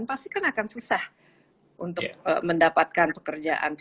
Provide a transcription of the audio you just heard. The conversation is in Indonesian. pasti kan akan susah untuk mendapatkan pekerjaan